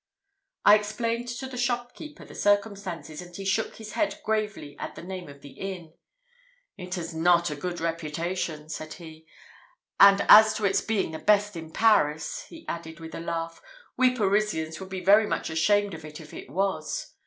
I explained to the shopkeeper the circumstances, and he shook his head gravely at the name of the inn. "It has not a good reputation," said he; "and as to its being the best in Paris," he added, with a laugh, "we Parisians would be very much ashamed of it if it was.